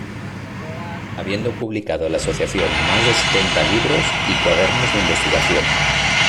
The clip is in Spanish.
Habiendo publicado la asociación más de setenta libros y cuadernos de investigación.